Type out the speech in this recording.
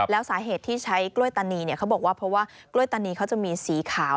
แล้วสาเหตุที่ใช้กล้วยตานีเขาบอกว่าเพราะว่ากล้วยตานีเขาจะมีสีขาว